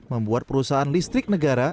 membuat perusahaan listrik negara